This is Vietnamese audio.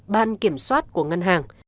ban kiểm soát của ngân hàng